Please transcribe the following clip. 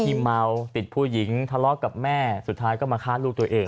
ที่เมาติดผู้หญิงทะเลาะกับแม่สุดท้ายก็มาฆ่าลูกตัวเอง